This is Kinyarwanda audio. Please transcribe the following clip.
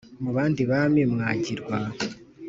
mu bandi bami mwagirwa